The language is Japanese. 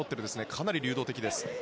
かなり流動的です。